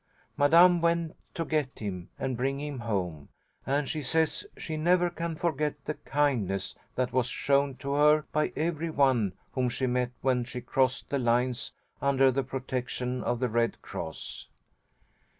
Madame went on to get him and bring him home, and she says she never can forget the kindness that was shown to her by every one whom she met when she crossed the lines under the protection of the Red Cross.